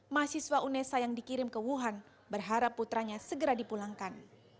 mahasiswa unesa yang dikirim ke wuhan berharap putranya segera dipulangkan